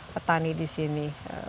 betani di sini